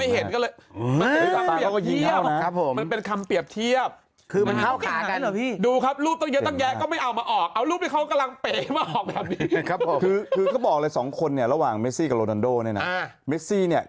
หลับตาก็เลยมองไม่เห็นก็เลย